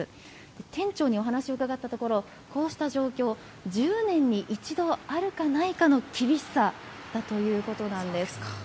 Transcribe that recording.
店長にお話を伺ったところ、こうした状況、１０年に１度あるかないかの厳しさだということなんです。